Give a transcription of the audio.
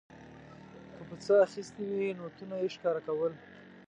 که په څه اخیستې وې نوټونه یې ښکاره کول.